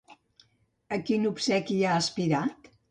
A quin obsequi ha aspirat?